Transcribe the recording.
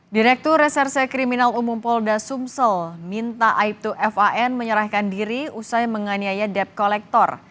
direktur reserse kriminal umum polda sumsel minta aibtu van menyerahkan diri usai menganiaya debt collector